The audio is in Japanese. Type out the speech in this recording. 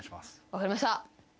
分かりました。